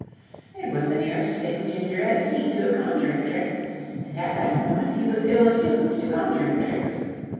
It was the nearest thing Ginger had seen to a conjuring trick, and at that moment he was ill attuned to conjuring tricks.